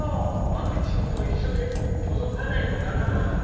ワクチンと一緒で届かないのかなぁ。